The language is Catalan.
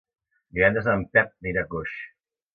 Divendres en Pep anirà a Coix.